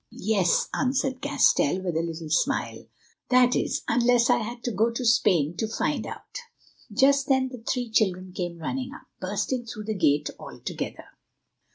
"Yes," answered Castell, with a little smile—"that is, unless I had to go to Spain to find out." Just then the three children came running up, bursting through the gate all together.